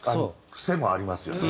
癖もありますよね。